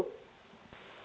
jadi setiap hari sabtu